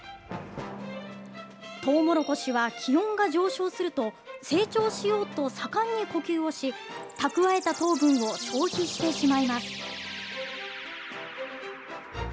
トウモロコシは気温が上昇すると、成長しようと盛んに呼吸をし、蓄えた糖分を消費してしまいます。